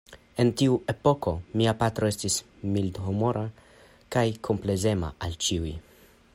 En tiu epoko mia patro estis mildahumora kaj komplezema al ĉiuj.